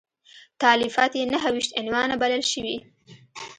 تالیفات یې نهه ویشت عنوانه بلل شوي.